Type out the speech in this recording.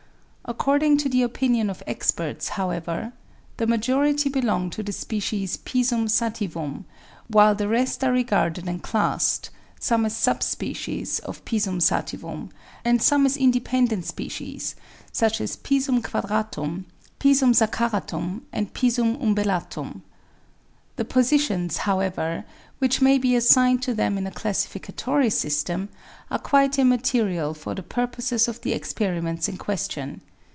According to the opinion of experts, however, the majority belong to the species Pisum sativum,; while the rest are regarded and classed, some as sub species of P. sativum, and some as independent species, such as P. quadratum, P. saccharatum, and P. umbellatum. The positions, however, which may be assigned to them in a classificatory system are quite immaterial for the purposes of the experiments in ques tion.